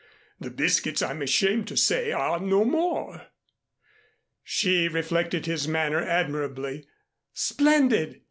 The biscuits, I'm ashamed to say, are no more." She reflected his manner admirably. "Splendid!